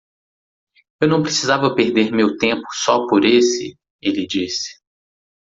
"Eu não precisava perder meu tempo só por esse?" ele disse.